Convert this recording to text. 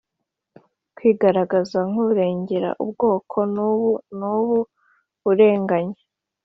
kwigaragaza nk'urengera ubwoko ubu n'ubu urenganya